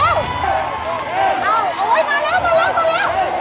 นั่นแหละนั่นแหละนั่นแหละประโมย